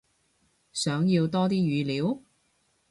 想要多啲語料？